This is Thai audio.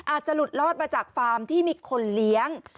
อาจจะหลุดลอดมาจากฟาร์มที่มีคนเลี้ยง